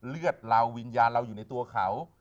เลือดเราวิญญาณเราอยู่ในตัวเขา